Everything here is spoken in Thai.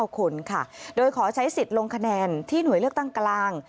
๙คนค่ะโดยขอใช้สิทธิ์ลงคะแนนที่หน่วยเลือกตั้งกลาง